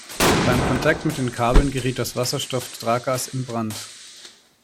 Beim Kontakt mit den Kabeln geriet das Wasserstoff-Traggas in Brand.